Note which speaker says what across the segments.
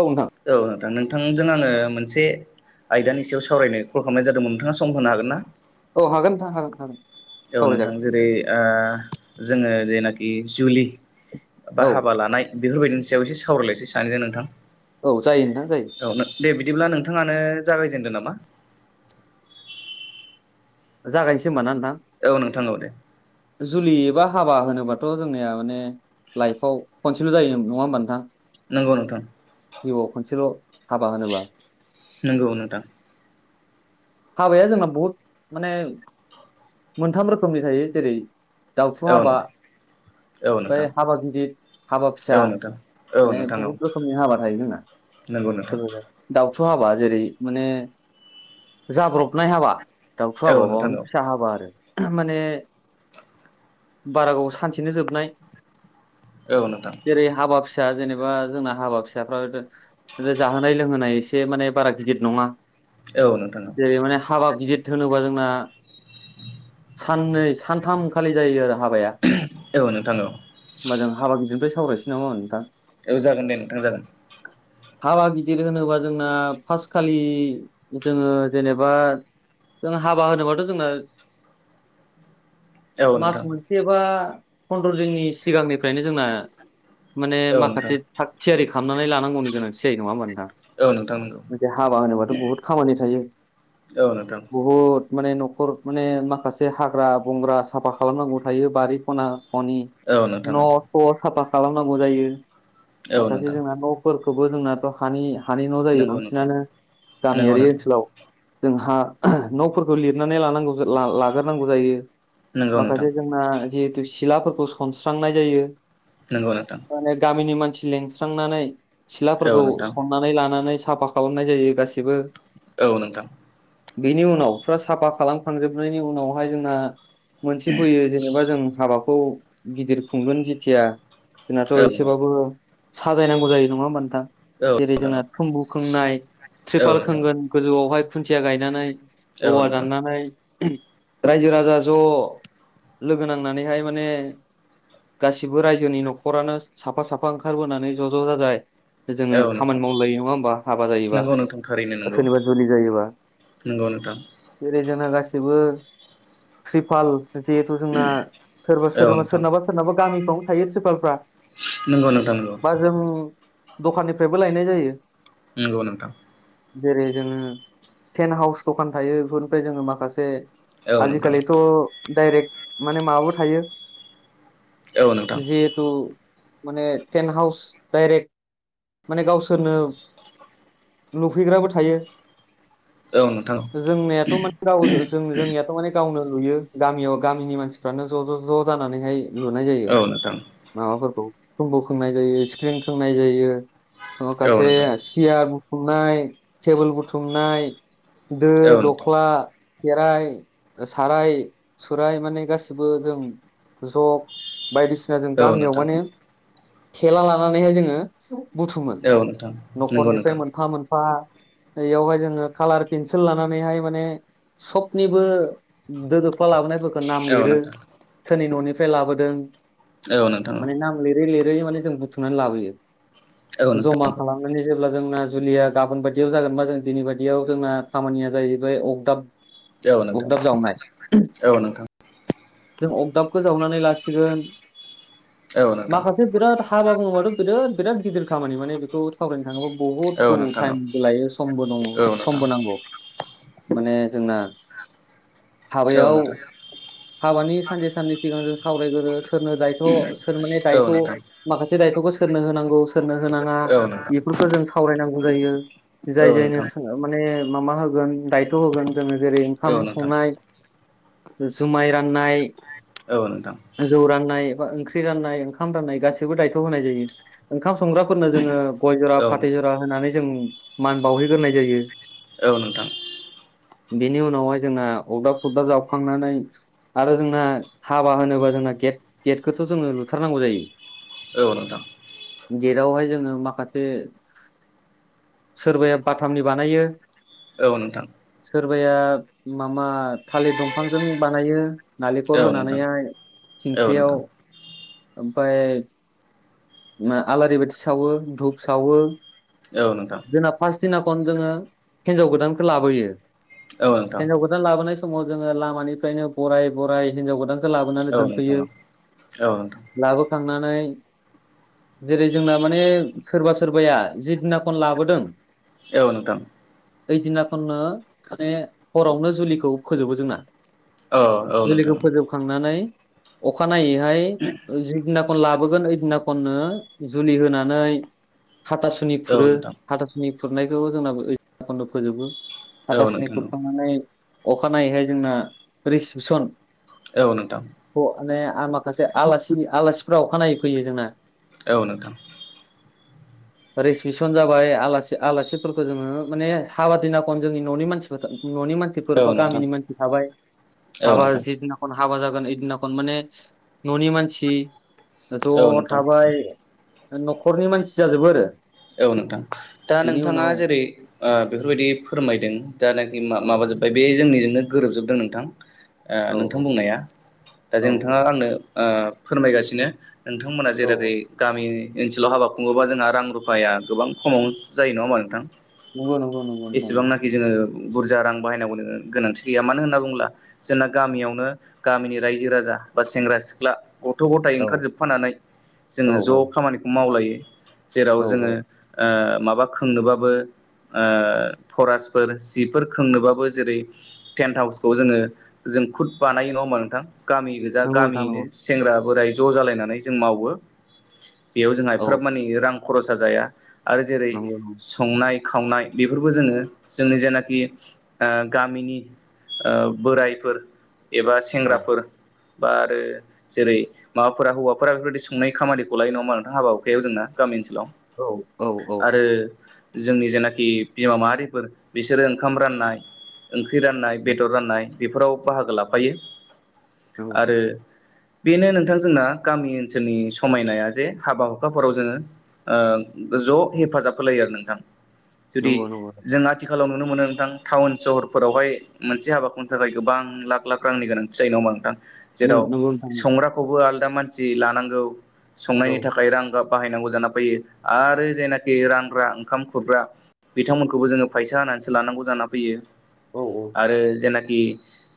Speaker 1: औ नोंथां
Speaker 2: दा नोंथांजों आङो मोनसे आयदानि सायाव सावरायनो कल खालामनाय जादोंमोन नोंथाङा सम होनो हागोन ना?
Speaker 1: औ हागोन नोंथां हागोन हागोन।
Speaker 2: औ नोंथां
Speaker 1: सावरायजागोन
Speaker 2: जेरै ओ जोङो जेनाखि जुलि
Speaker 1: औ
Speaker 2: बा हाबा लानाय बेफोरबायदिनि सायाव एसे सावरायलायनोसै सानैजों नोंथां।
Speaker 1: औ जायो नोंथां जायो।
Speaker 2: औ दे बिदिब्ला नोंथाङानो जागायजेनदों नामा।
Speaker 1: जागायनोसै होनबा ना नोंथां।
Speaker 2: औ नोंथां औ दे।
Speaker 1: जुलि एबा हाबा होनोबाथ' जोंनिया माने लाइफआव खनसेल' जायो नङा होमबा नोंथां।
Speaker 2: नंगौ नोंथां।
Speaker 1: जिउआव खनसेल' हाबा होनोबा
Speaker 2: नंगौ नोंथां।
Speaker 1: हाबाया जोंना बहुद माने मोनथाम रोखोमनि थायो। जेरै दाउथु
Speaker 2: औ
Speaker 1: हाबा
Speaker 2: औ
Speaker 1: ओमफ्राय
Speaker 2: नोंथां
Speaker 1: हाबा गिदिर हाबा फिसा
Speaker 2: औ नोंथां औ
Speaker 1: माने
Speaker 2: नोंथां औ
Speaker 1: बहुद रोखोमनि हाबा थायो जोंना।
Speaker 2: नंगौ नोंथां
Speaker 1: सोलोंनो [unintelligible] हाबा जेरै माने जाब्रबनाय हाबा। दाउथु
Speaker 2: औ
Speaker 1: हाबाबा
Speaker 2: नोंथां
Speaker 1: फिसा
Speaker 2: औ
Speaker 1: हाबा आरो माने बारा गोबाव सानसेनो जोबनाय।
Speaker 2: औ नोंथां।
Speaker 1: जेरै हाबा फिसा जेनेबा जोंना हाबा फिसाफ्रा जाहोनाय लोंहोनाय एसे माने बारा गिदिर नङा।
Speaker 2: औ नोंथां औ
Speaker 1: जेरै माने हाबा गिदिर होनोबा जोंना। साननै सानथामखालि जायो आरो। हाबाया
Speaker 2: औ नोंथां औ
Speaker 1: होमबा जों हाबा गिदिरनिफ्राय सावरायनिसै नामा होनबा नोंथां।
Speaker 2: औ जागोन दे नोंथां जागोन।
Speaker 1: हाबा गिदिर होनोबा जोंना फार्स्ट खालि जोङो जेनेबा जों हाबा होनोबाथ' जोंना
Speaker 2: औ
Speaker 1: मास
Speaker 2: नोंथां
Speaker 1: मोनसे बा फन्द्र' दिननि सिगांनिफ्रायनो जोंना माने
Speaker 2: औ नोंथां
Speaker 1: माखासे थाग थियारि खालामनानै लानांगौनि गोनांथि जायो नङा होबा नोंथां।
Speaker 2: औ नोंथां नंगौ
Speaker 1: मोनसे हाबा होनोबाथ' बहुत खामानि थायो।
Speaker 2: औ नोंथां।
Speaker 1: बहुद माने न'खर माने माखासे हाग्रा बंग्रा साफा खालामनांगौ थायो बारि ख'ना नि
Speaker 2: औ नोंथां
Speaker 1: न' स' साफा खालामनांगौ जायो
Speaker 2: औ
Speaker 1: माखासे
Speaker 2: नोंथां
Speaker 1: जोंना न'फोर खौवबो जोंनाथ' हानि हानि न' जायो
Speaker 2: नंगौ नोंथां
Speaker 1: बांसिनानो
Speaker 2: नंगौ
Speaker 1: गामियारि
Speaker 2: नोंथां
Speaker 1: ओनसोलाव जोंहा। न'फोरखौ लिरनानै लांनांगौ ला-लाग्रोनांगौ जायो
Speaker 2: नंगौ नोंथां
Speaker 1: माखासे जोंना जिहेथु सिलाफोरखौ सनस्रांनाय जायो
Speaker 2: नंगौ नोंथां
Speaker 1: माने गामिनि मानसि लिंस्रांनानै।
Speaker 2: औ
Speaker 1: सिथलाफोरखौ
Speaker 2: नोंथां
Speaker 1: सन्नानै लानानै साफा खालामनाय जायो गासिबो।
Speaker 2: औ नोंथां।
Speaker 1: बेनि उनाव फुरा साफा खालामखांजोबनायनि उनावहाय जोंना। मोनसे फैयो जेनेबा जों हाबाखौ गिदिर खुंगोन जेथिया जोंनाथ'
Speaker 2: औ नोंथां
Speaker 1: एसेबाबो साजायनांगौ जायो नङा होमबा नोंथां।
Speaker 2: औ
Speaker 1: जेरै जोंना
Speaker 2: नोंथां
Speaker 1: थुम्बु खोंनाय
Speaker 2: औ
Speaker 1: ट्रिपाल
Speaker 2: नोंथां
Speaker 1: खोंगोन गोजौआवहाय खुन्थिया गायनानै
Speaker 2: औ
Speaker 1: औवा
Speaker 2: नोंथां
Speaker 1: दाननानै। रायजो रायजा ज' लोगो नांनानैहाय माने गासिबो रायजोनि न'खरानो साफा-साफा ओंखारबोनानै ज' ज' जाजाय। जोङो
Speaker 2: औ
Speaker 1: खामानि
Speaker 2: नोंथां
Speaker 1: मावलायो नङा होमबा हाबा जायोबा
Speaker 2: नंगौ
Speaker 1: सोरनिबा जुलि जायोबा।
Speaker 2: नोंगौ नोंथां।
Speaker 1: जेरै जोंना गासिबो ट्रिपाल जिहेथु जोंना सोरबा
Speaker 2: औ
Speaker 1: सोरनाबा
Speaker 2: नोंथां
Speaker 1: सोरनाबा सोरनाबा गामिफ्रावनो थायो ट्रिपालफ्रा।
Speaker 2: नंगौ नोंथां नंगौ।
Speaker 1: दखाननिफ्रायबो लायनाय जायो।
Speaker 2: नोंगौ नोंथां।
Speaker 1: जेरै जोङो टेन्ट हाउस दखान थायो बेफोरनिफ्राय जोङो माखासे।
Speaker 2: औ नोंथां
Speaker 1: आजिखालिथ' डाइरेक्ट माने माबाबो थायो।
Speaker 2: औ नोंथां
Speaker 1: जिहेतु। माने टेन्ट हाउस डाइरेक्ट माने गावसोरनो। लुफैग्राबो थायो
Speaker 2: औ नोंथां
Speaker 1: जोंनेथ' माने गाव। जोंनियाथ' माने गावनो लुयो गामियाव गामिनि मानसिफ्रानो ज' ज' ज' जानानैहाय। लुनाय जायो
Speaker 2: औ नोंथां
Speaker 1: माबाफोरखौ तुम्बु खोंनाय जायो स्क्रिन खोंनाय जायो। अ
Speaker 2: औ
Speaker 1: गासे
Speaker 2: नोंथां
Speaker 1: सियार बुथुमनाय टेबोल बुथुमनाय। दो
Speaker 2: औ नोंथां
Speaker 1: दख्ला। खेराय साराय सुराय माने गासिबो जों जग। बायदिसिना जों
Speaker 2: औ
Speaker 1: गामियाव
Speaker 2: नोंथां
Speaker 1: माने थेला लानानैहाय जोङो। बुथुमोन
Speaker 2: औ नोंथां नंगौ
Speaker 1: न'खरनिफ्राय
Speaker 2: नोंथां
Speaker 1: मोनफा मोनफा नैयावहाय जोङो कालार पेन्सिल लानानैहाय माने सबनिबो दो दोबफ्ला लाबोनायफोरखौ नाम
Speaker 2: औ
Speaker 1: लिरो
Speaker 2: नोंथां
Speaker 1: सोरनि न' निफ्राय लाबोदों
Speaker 2: औ नोंथां
Speaker 1: माने नाम लिरै लिरै माने जों बुथुमनानै लाबोयो।
Speaker 2: औ नोंथां औ नोंथां
Speaker 1: जमा
Speaker 2: औ
Speaker 1: खालामनानै जों। जेब्ला जोंना जुलिया गाबोन बायदियाव जागोनबा जों दिनै बायदियाव जोंना खामानिया जाहैबाय अगदाब
Speaker 2: औ नोंथां
Speaker 1: अगदाब जावनाय
Speaker 2: औ नोंथां।
Speaker 1: जों अगदाबखौ जावनानै लासिगोन।
Speaker 2: नोंथां
Speaker 1: माखासे बिराद हाबा बुङोबाथ बिराद बिराद गिदिर खामानि माने बेखौ। सावरायनो थाङोब्ला बहुद
Speaker 2: औ
Speaker 1: गोबाव
Speaker 2: नोंथां औ
Speaker 1: टाइमबो लायो समबो दङ
Speaker 2: औ नोंथां
Speaker 1: समबो नांगौ माने जोंना
Speaker 2: औ
Speaker 1: हाबायाव
Speaker 2: नोंथां
Speaker 1: हाबानि सानसे साननै सिगां जों सावरायग्रोरो सोरनो दायथ सोर माने
Speaker 2: औ
Speaker 1: दायथ
Speaker 2: नोंथां
Speaker 1: माखासे। यखौबो सोरनो होनांगौ सोरनो होनाङा
Speaker 2: औ नोंथां
Speaker 1: बेफोरखौ जों सावरायनांगौ जायो।
Speaker 2: औ
Speaker 1: जाय
Speaker 2: नोंथां
Speaker 1: जायनो माने माबा होगोन दायथ' होगोन। जोङो जेरै
Speaker 2: औ
Speaker 1: ओंखाम
Speaker 2: नोंथां
Speaker 1: संनाय जुमाय राननाय
Speaker 2: औ नोंथां
Speaker 1: जौ राननाय ओंख्रि राननाय ओंखाम राननाय गासिबो दायथ होनाय जायो। ओंखाम संग्राफोरनो जोङो गय जरा
Speaker 2: औ
Speaker 1: फाथै जरा होनानै जों मान बावहैग्रोनाय जायो।
Speaker 2: औ नोंथां।
Speaker 1: बिनि उनावहाय जोंना अरदाब सबदाब जावखांनानै आरो जोंना हाबा होनोबा जोंना गे गेटखौथ जोङो लुथारनांगौ जायो।
Speaker 2: औ नोंथां
Speaker 1: गेटआवहाय जोङो माखासे सोरबाया बाथामनि बानायो
Speaker 2: औ नोंथां
Speaker 1: सोरबाया माबा थालिर दंफांजों बानायो नालेंखल
Speaker 2: औ नोंथां
Speaker 1: होनानैहाय
Speaker 2: औ नोंथां
Speaker 1: थिंखलियाव ओमफाय आलारि बाथि सावो धुप सावो।
Speaker 2: औ नोंथां औ
Speaker 1: जोंना पास दिना खन जोङो हिनजाव गोदानखौ लाबोयो।
Speaker 2: नोंथां
Speaker 1: हिनजाव गोदान लाबोनाय समाव जोङो लामानिफ्रायनो बराय बराय हिनजाव गोदान लाबोनानै
Speaker 2: औ नोंथां औ नोंथां
Speaker 1: दोनफैयो
Speaker 2: औ नोंथां औ नोंथां औ नोंथां औ नोंथां
Speaker 1: लाबोखांनानै जेरै जोंना माने सोरबा सोरबाया जि दिना खन लाबोदों।
Speaker 2: औ नोंथां।
Speaker 1: ओइदिनाखननो माने हरावनो जुलिखौ फोजोबो जोंना। जुलिखौ
Speaker 2: नोंथां
Speaker 1: फोजोबखांनानै। अखानायनायैहाय जि दिनाखौ लाबोगोन ओइ दिना। खननो जुलि होनानै हाथासुनि खुरो हाथासुनि। खुरनायखौ जोंनाबोनो फोजोबो हथासुनि खुरखांनानै। अखानायैहाय जोंना रिसिपसन।
Speaker 2: औ नोंथां।
Speaker 1: माने आरो माखासे आलासि आलासिफोराव खानाय फैयो जोंना।
Speaker 2: औ नोंथां।
Speaker 1: रिसिपसन जाबाय आलासिफोरखौ जोङो माने हाबा दिना खन। जोंनि ननि मानसिफोर ननि मानसिफोर बा गामिनि मानसि थाबाय हाबा जि दिना खन। हाबा जागोन इदिनाखौनो माने ननि मानसि ज थाबाय। नखरनि मानसि जाजोबो आरो।
Speaker 2: औ नोंथां दा
Speaker 1: बेनि
Speaker 2: नोंथाङा
Speaker 1: उनाव
Speaker 2: जेरै ओ बेफोरबायदि। फोरमायदों दाानाखि
Speaker 1: औ
Speaker 2: माबाजोब्बाय बे जोंनिजोंनो गोरोबजोबदों नोंथां। ओ
Speaker 1: औ
Speaker 2: नोंथां बुंनाया दा जों
Speaker 1: औ
Speaker 2: नोंथाङा ओ आंनो फोरमायगासिनो। नोंथांमोना
Speaker 1: औ औ
Speaker 2: जेरैखै गामि ओनसोलाव हाबा खुङोबा जोंहा रां रु। उफाया गोबां खमाव जायो नङा होनबा नोंथां
Speaker 1: नंगौ नंगौ नंगौ नोंथां।
Speaker 2: एसेबांनाखि जोङो। बुरजा रां बाहायनांगौ गोनांथि गैया मानो होनना बुंङोब्ला जोंना गामियावनो गामिनि रायजो राजा बा सेंग्रा सिख्ला गथ गथाइ
Speaker 1: नंगौ।
Speaker 2: ओंखारजोबफानानै
Speaker 1: औ
Speaker 2: जोङो ज
Speaker 1: औ
Speaker 2: खामानिखौ मावलायो। जेराव
Speaker 1: औ
Speaker 2: जोङो
Speaker 1: औ
Speaker 2: ओ माबा खोंनोबाबो। ओ फरेस्टफोर सिफोर खोंनोबाबो जेरै टेन्ट हाउसखौ जोङो जों खुद बानाय नङा होमा नोंथां? गामि गोजा
Speaker 1: नंगौ नोंथां
Speaker 2: गामियैनो
Speaker 1: नंगौ।
Speaker 2: सेंग्रा बोराय ज जालायनानै जों मावो। बेयाव जोंहा
Speaker 1: औ
Speaker 2: एफ्राब मानि रां खरसा जाया आरो जेरै
Speaker 1: नंगौ नंगौ
Speaker 2: संनाय,। खावनाय बेफोरखौ जोङो जोंनि जेनाखि ओ गामिनि ओ बोरायफोर एबा
Speaker 1: औ
Speaker 2: सेंग्राफोर बा आरो जेरै माबाफोरा हौवाफोरा बेफोरबायाददि संनाय खामानिखौ लायो नङाहोमबा नोंथां? हाबा हखायाव जोंना गामि ओनसोलाव?
Speaker 1: औ औ औ।
Speaker 2: आरो जोंनि जेनाखि बिमा माहारिफोर बिसोरो ओंखाम राननाय,। ख्रि राननाय
Speaker 1: नंगौ
Speaker 2: बेदर राननाय बेफोराव बाहागो लाफायो आरो। बेनो नोंथां जोंना गामि ओनसोलनि समायनाया जे हाबा हुखाफोराव जोङो ओ ज हेफाजाब होलायो आरो नोंथां जुदि
Speaker 1: नंगौ नंगौ।
Speaker 2: जों आथिखाल। आथिखालाव नुनो मोनो नोंथां टाउन सहरफोरावहाय मोनसे हाबाखौनो थाखाय गोबां लाख लाख रांनि गोनांथि जायो नङाहोमबा नोंथां? जेराव
Speaker 1: नंगौ नंगौ नोंथां।
Speaker 2: संग्राखौबो आलदा मानसि लानांगौ
Speaker 1: औ
Speaker 2: संनायनि थाखाय रां गाब बाहायनांगौ जाना फैयो। आरो जायनाखि रानग्रा ओंखाम खुरग्रा बिथांमोनखौबो जोङो फैसा होनानैसो लानांगौ जाना फैयो।
Speaker 1: औ औ
Speaker 2: आरो जेनाखि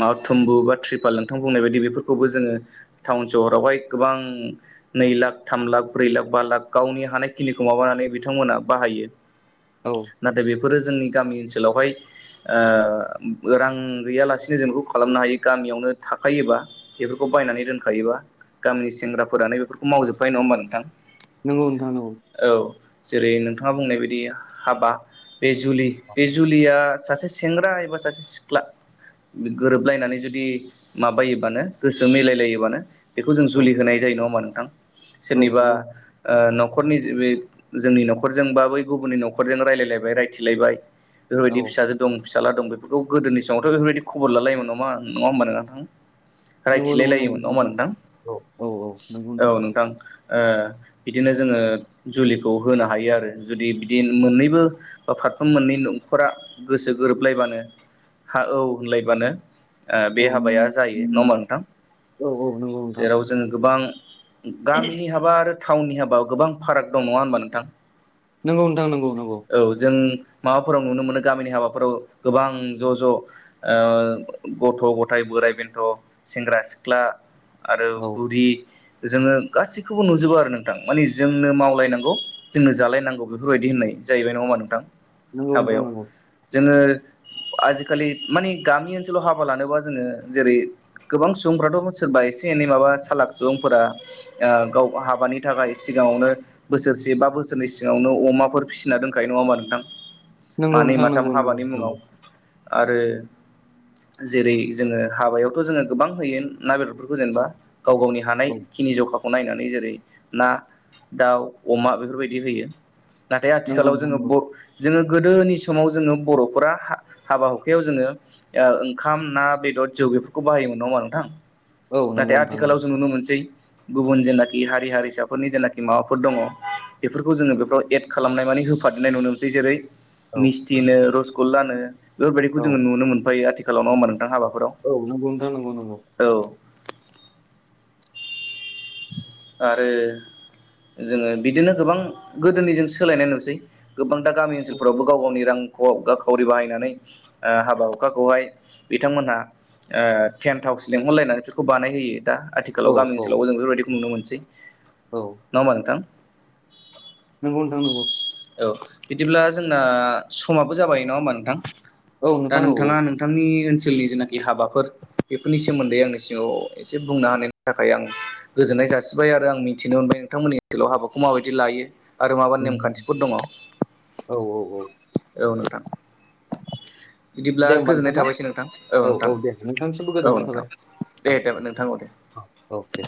Speaker 2: माबा थुम्बु बा त्रिपाल नोंथां बुंनाय बायदि बेफोरखौबो जोङो टाउन सहरावहाय गोबां नै लाख थाम लाख ब्रै लाख बा लाख गावनि हानाय। खिनिखौ माबानानै बिथांमोना बाहायो
Speaker 1: औ
Speaker 2: नाथाय बे बेफोरो जोंनि गामि ओनसोलावहाय रां गैयालासेनो जों बेखौ खालामनो हायो। ग मियावनो थाखायोबा बेफोरखौ बायनानै दोनखायोबा गामिनि सेंग्राफोरानो बेफोरखौ मावजोबबाय नङाहोमबा नोंथां?
Speaker 1: नोंगौ थां नोंगौ।
Speaker 2: औ जेरै नोंथाङा बुंनाय बायदि हाबा बे जुलि बे जुलिया सासे सेंग्रा एबा सासे सिख्ला गोरोबलायनानै जुदि माबायोबानो गोसो मिलायलायोबानो बेखौ जों
Speaker 1: औ
Speaker 2: जुलि होनाय जायो नङाहोमबा नोंथां?
Speaker 1: औ
Speaker 2: सोरनिबा
Speaker 1: नंगौ औ
Speaker 2: नखरनि बे जोंनि नखरजों बा बै गुबुननि नखरजों रायलायलायबाय रायथिलायबाय बेफोरबायदि फिसाजो दं फिसाला दं बेफोरखौ गोदोनि समावथ बेफोरबायदि खबर लालायोम नामा नङा होमबा नोंथां?
Speaker 1: नंगौ
Speaker 2: रायथिलाय
Speaker 1: नंगौ नंगौ
Speaker 2: लायोमोन
Speaker 1: नंगौ
Speaker 2: नाङाहोमबा नोंथां?
Speaker 1: औ औ औ नंगौ नंगौ
Speaker 2: औ नोंथां ओ बिदिनो जोङो जुलिखौ होनो हायो आरो जुदि बिदि मोननैबो बा फारफ्रोम मोननै नखरा गोसो गोरोबलायबानो हा औ होनलायबानो बे हाबाया जायो नङाहो‌मबा नोंथां?
Speaker 1: औ औ नंगौ
Speaker 2: जेराव
Speaker 1: नोंथां
Speaker 2: जों गोबां गामिनि हाबा आरो टाउननि हाबा गोबां फाराग दं नङा होमबा नोंथां?
Speaker 1: नंगौ नोंथां नंगौ नंगौ।
Speaker 2: औ जों माबाफोराव नुनो मोनो गामिनि हाबाफोराव गोबां ज ज ओ गथ गथायाइ बोराइ बेन्थ सेंग्रा सिख्ला आरो
Speaker 1: औ
Speaker 2: बुरि जोङो गासैखौबो नुजोबो आरो नोंथां। मानि जोंनो मावलायनांगौ जोंनो जालायनांगौ बेफोरबायदि होननाय जाहैबाय नङाहोमबा नोंथां?
Speaker 1: नंगौ नोंथां
Speaker 2: हाबायाव
Speaker 1: नंगौ
Speaker 2: जोङो आजिखालि मानि गामि ओनसोलाव हाबा लानोबा जोङो जेरै- गोबां सुबुंफ्राथ सोरबा एसे एनै माबा सालाक सुबुंफोरा ओ गाव हाबानि नि थाखाय सिगाङावनो बोसोरसे बा बोसोरनै सिगावनो अमाफोर फिसिना दोनखायो नङा होमबा नोंथां?
Speaker 1: नंगौ
Speaker 2: मानै
Speaker 1: नोंथां
Speaker 2: माथाम
Speaker 1: नंगौ नंगौ
Speaker 2: हाबानि मुङाव
Speaker 1: नंगौ
Speaker 2: आरो जेरै जोङो हाबायावथ जोङो गोबां होयो ना बेदरफोरखौ जेनेबा गाव गावनि
Speaker 1: औ
Speaker 2: हानायखिनि जखाखौ नायनानै जेरै ना, दाउ, अमा बेफोरबायदि होयो। नाथाय
Speaker 1: नंगौ
Speaker 2: आथिखालाव
Speaker 1: नोंथां
Speaker 2: जोङो
Speaker 1: नंगौ
Speaker 2: जोङो गोदोनि समाव जोङो बरफोरा हाबा हुखायाव जोङो ओ ओंखाम ना बेदर ज आनो बाहायै नंयाहोनबा नोंथां
Speaker 1: औ नंगौ
Speaker 2: नाथाय
Speaker 1: नोंथां नंगौ
Speaker 2: आथिखालाव जों नुनो मोनसै गुबुन जेन हा हारि हारिसाफोरनि जेनाखि माबाफोर दङ बेफोरखौ जोङो बेफ्राव एड खालामनाय माने होफादेरनाय नुनो मोनसै जेरै
Speaker 1: औ
Speaker 2: मिस्थिनो रसगल्लानो
Speaker 1: औ
Speaker 2: बेफोरबायदिखौ जोङो नुनो मोनफायो आथिखालाव नङ होमबा नोंथां हाबा
Speaker 1: औ नंगौ नोंथां नंगौ नंगौ।
Speaker 2: आरो जोङो बिदिनो गोबां गोदोनि जों सोलायनाय नुसै गोबांथा गामि ओनसोलफ्रावबो गाव गावनि रां खावरि बाहायनानै ओ हाबा हुखाखौहाय बिथांमोनहा ओ टेन थावस लिंहरलायनानै बेफोरखौ बानायहोयो दा आथिखालाव
Speaker 1: औ
Speaker 2: गामि
Speaker 1: औ
Speaker 2: ओनसोलावबो जों बेफोरबायदिखौ नुनो मोनसै नङा होमबा नोंथां
Speaker 1: नोंगौ नोंथां नांगौ
Speaker 2: औ बिदिब्ला जोंना समाबो जाबाय नङा होमबा नोंथां
Speaker 1: औ
Speaker 2: दा
Speaker 1: नोंथां औ औ
Speaker 2: नोंथाङा नोंथांनि ओनसोल ओनसोलनि जेनाखि हाबाफोर बेफोरनि सोमोन्दै आंनि सिङाव एसे बुंनो हानायनि थाखाय आं गोजोननाय जासिबाय आरो आं मिथिनो मोनबाय नोंथांमोननिाव हाबाखौ माबाय लायो मा नेम
Speaker 1: नंगौ।
Speaker 2: खान्थि
Speaker 1: औ औ औ।
Speaker 2: औ नोंथाङा। बिदिब्ला
Speaker 1: दे होमबा नोंथां
Speaker 2: गोजोननाय
Speaker 1: ना
Speaker 2: थाबायसै नोंथां औ नोंथां
Speaker 1: दे नोंथांनिसिमबो
Speaker 2: औ
Speaker 1: गोजोननाय
Speaker 2: नोंथां।
Speaker 1: थाबाय
Speaker 2: दे
Speaker 1: औ
Speaker 2: देन नोंथां दे
Speaker 1: औ औ दे